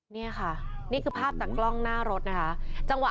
นี่ค่ะนี่คือภาพจากกล้องหน้ารถนะคะ